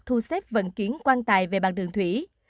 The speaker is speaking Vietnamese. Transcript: thu xếp vận chuyển quan tài về bàn đường thủy